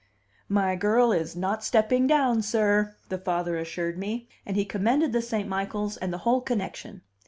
"My girl is not stepping down, sir," the father assured me; and he commended the St. Michaels and the whole connection.